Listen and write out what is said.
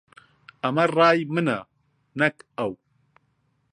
ئەمە ڕای منە، نەک ئەو.